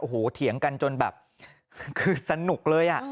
หัวเห็นกันจนแบบคือสนุกเลย